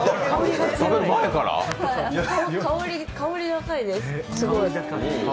香り高いです。